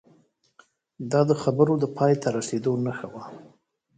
دا د خبرو د پای ته رسیدو نښه وه